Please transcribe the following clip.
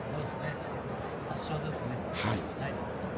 圧勝ですね。